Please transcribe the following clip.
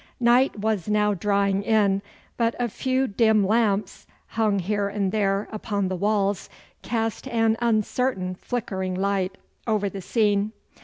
Night was now drawing in, but a few dim lamps, hung here and there upon the walls, cast an uncertain, flickering light over the scene.